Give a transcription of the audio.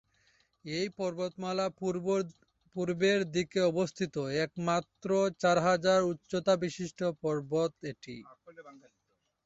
এই পর্বতমালার পূর্বের দিকে অবস্থিত একমাত্র চার হাজার উচ্চতাবিশিষ্ট পর্বত এটি।